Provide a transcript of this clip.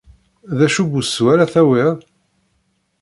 D acu n wusu ara tawiḍ?